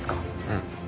うん。